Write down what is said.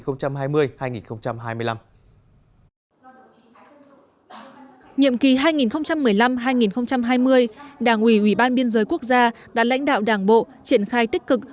nhiệm kỳ hai nghìn một mươi năm hai nghìn hai mươi đảng ủy ủy ban biên giới quốc gia đã lãnh đạo đảng bộ triển khai tích cực